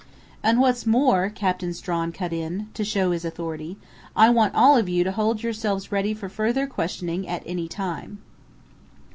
"And what's more," Captain Strawn cut in, to show his authority, "I want all of you to hold yourselves ready for further questioning at any time."